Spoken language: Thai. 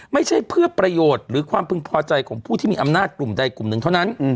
ไม่ใช่เพื่อประโยชน์หรือความพึงพอใจของผู้ที่มีอำนาจกลุ่มใดกลุ่มหนึ่งเท่านั้น